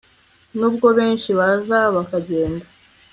Nubwo benshi baza bakagenda…